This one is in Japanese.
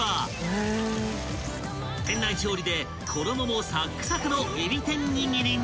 ［店内調理で衣もサックサクのえび天にぎりに］